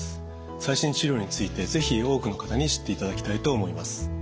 最新治療について是非多くの方に知っていただきたいと思います。